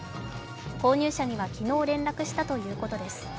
購入者には昨日連絡したということです。